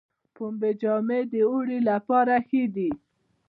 پنبې جامې د اوړي لپاره ښې دي